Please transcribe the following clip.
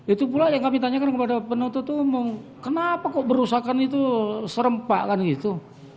itu pula yang kami tanyakan kepada penuntut umum kenapa kok berusakan itu serempak kan gitu